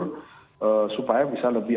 ee supaya bisa lebih